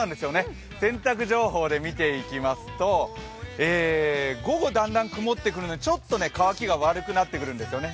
洗濯情報で見ていきますと午後だんだん曇ってくるのでちょっと乾きが悪くなってくるんですね。